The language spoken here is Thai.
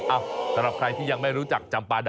สำหรับใครที่ยังไม่รู้จักจำปาดะ